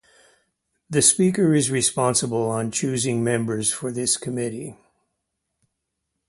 The Speaker is responsible on choosing members for this committee.